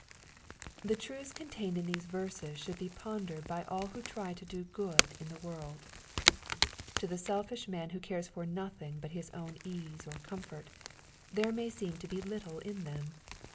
The truths contained in these verses should be pondered by all who try to do good in the world. To the selfish man, who cares for nothing but his own ease or comfort, there may seem to be little in them.